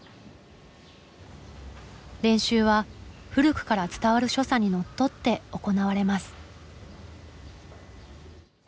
練習は古くから伝わる所作にのっとって行われます。